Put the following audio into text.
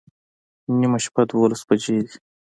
نیمه شپه دوولس بجې دي